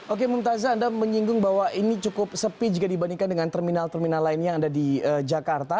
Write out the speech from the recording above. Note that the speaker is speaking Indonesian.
oke mumtaza anda menyinggung bahwa ini cukup sepi jika dibandingkan dengan terminal terminal lainnya yang ada di jakarta